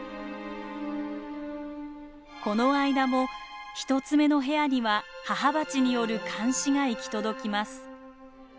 この間も１つ目の部屋には母バチによる監視が行き届きます。